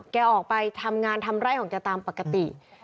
แกออกไปทำงานทำไร่ของแกตามปกติ